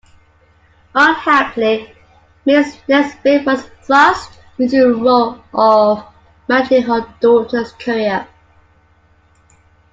Unhappily, Mrs. Nesbit was thrust into the role of managing her daughter's career.